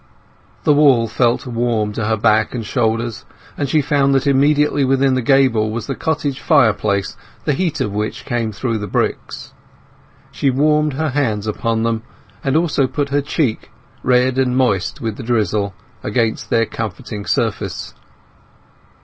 The wall felt warm to her back and shoulders, and she found that immediately within the gable was the cottage fireplace, the heat of which came through the bricks. She warmed her hands upon them, and also put her cheek—red and moist with the drizzle—against their comforting surface.